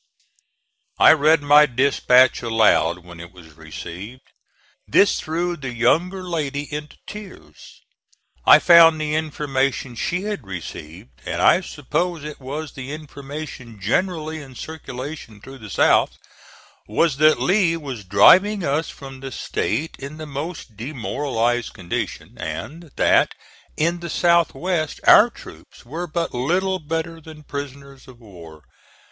I read my dispatch aloud, when it was received. This threw the younger lady into tears. I found the information she had received (and I suppose it was the information generally in circulation through the South) was that Lee was driving us from the State in the most demoralized condition and that in the South west our troops were but little better than prisoners of war.